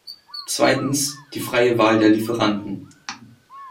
Zweitens, die freie Wahl der Lieferanten.